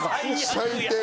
最低。